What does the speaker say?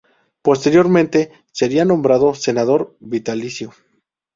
Posteriormente sería nombrado senador vitalicio.